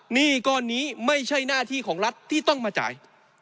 หนี้ก้อนนี้ไม่ใช่หน้าที่ของรัฐที่ต้องมาจ่าย